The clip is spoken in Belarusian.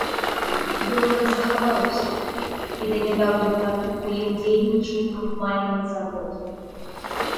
Бровар захаваўся, і да нядаўняй пары ў ім дзейнічаў крухмальны завод.